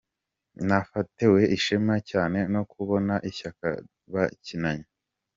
Natewe ishema cyane no kubona ishyaka bakinanye.